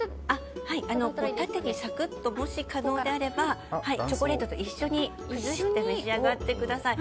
縦にサクッともし可能であればチョコレートと一緒に召し上がってください。